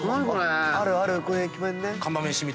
これ。